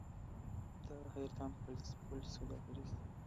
د حیرتان پل سوداګریز دی